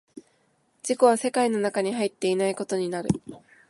自己は世界の中に入っていないことになる。